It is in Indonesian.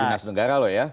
dinas negara loh ya